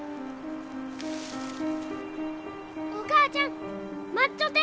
お母ちゃん待っちょって！